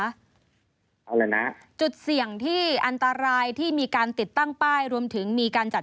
เอาอะไรนะจุดเสี่ยงที่อันตรายที่มีการติดตั้งป้ายรวมถึงมีการจัด